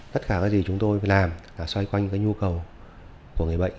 tất cả cái gì chúng tôi phải làm cả xoay quanh cái nhu cầu của người bệnh